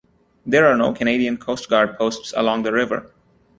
There are no Canadian Coast Guard posts along the river.